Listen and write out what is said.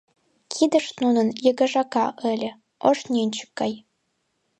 Кидышт нунын йыгыжака ыле, ош нӧнчык гай.